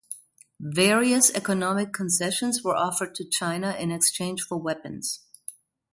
Various economic concessions were offered to China in exchange for weapons.